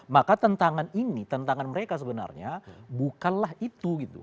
maka tentangan ini tentangan mereka sebenarnya bukanlah itu gitu